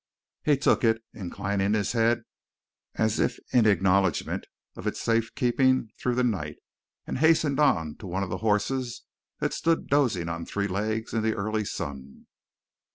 He took it, inclining his head as in acknowledgment of its safe keeping through the night, and hastened on to one of the horses that stood dozing on three legs in the early sun.